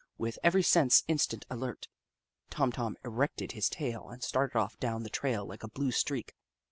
With every sense instantly alert, Tom Tom erected his tail and started off down the trail like a blue streak.